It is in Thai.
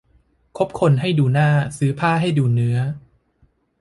คบคนให้ดูหน้าซื้อผ้าให้ดูเนื้อ